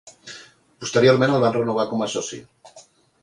Posteriorment, el van renovar com a soci.